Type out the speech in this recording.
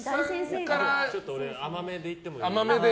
甘めでいってもいい？